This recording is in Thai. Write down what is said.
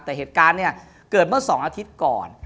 แต่เหตุการณ์เนี่ยเกิดเมื่อ๒อาทิตย์ก่อน